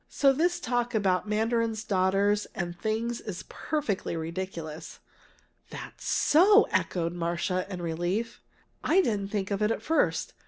So this talk about mandarin's daughters and things is perfectly ridiculous!" "That's so!" echoed Marcia, in relief. "I didn't think of it at first.